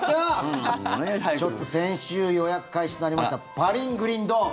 ちょっと先週、予約開始となりました「パリングリンドーン」